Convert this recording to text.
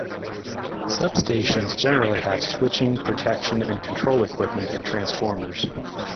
Substations generally have switching, protection and control equipment, and transformers.